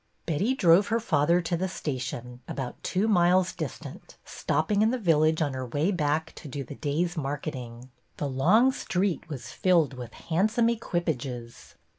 Betty drove her father to the station, about two miles distant, stopping in the village on her way back to do the day's marketing. The long street was filled with handsome equipages.